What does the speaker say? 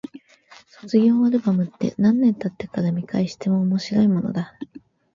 卒業アルバムって、何年経ってから見返しても面白いものだ。